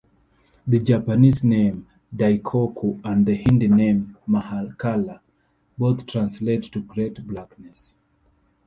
The Japanese name "Daikoku" and the Hindi name "Mahakala" both translate to "Great Blackness".